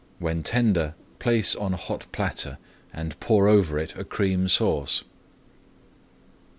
When tender, place on a hot platter and pour over it a Cream Sauce.